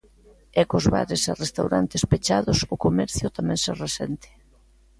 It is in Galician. E cos bares e restaurantes pechados o comercio tamén se resente.